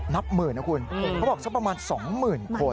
นับหมื่นนะคุณเขาบอกสักประมาณ๒๐๐๐คน